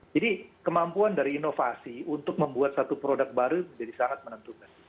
jadi kemampuan dari inovasi untuk membuat satu produk baru jadi sangat menentukan